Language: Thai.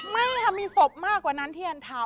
ไม่ค่ะมีศพมากกว่านั้นที่แอนทำ